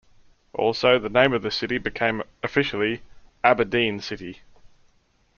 Also, the name of the city became, officially, "Aberdeen City".